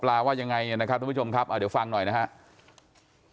ว่ายังไงนะครับทุกผู้ชมครับเดี๋ยวฟังหน่อยนะครับ